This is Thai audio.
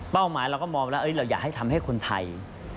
หมายเราก็มองแล้วเราอยากให้ทำให้คนไทย